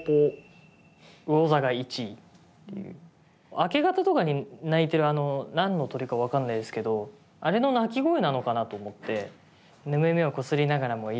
明け方とかに鳴いてるあの何の鳥か分かんないですけどあれの鳴き声なのかなと思って。